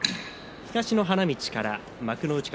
東の花道から幕内格